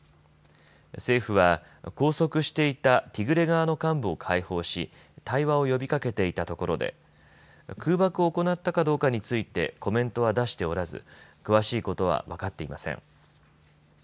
政府は拘束していたティグレ側の幹部を解放し対話を呼びかけていたところで空爆を行ったかどうかについてコメントは出しておらず詳しいことは分かっていません。